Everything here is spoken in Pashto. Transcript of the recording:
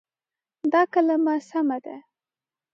دا کلمه سمه ده.